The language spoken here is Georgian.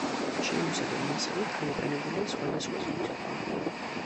შემავსებელ მასალად გამოყენებულია სხვადასხვა ზომის ქვა.